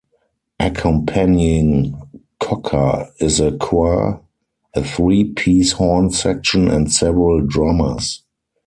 Accompanying Cocker is a choir, a three-piece horn section and several drummers.